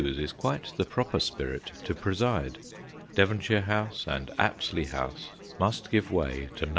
's is quite the proper spirit to preside. Devonshire House and Apsley House must give way to No.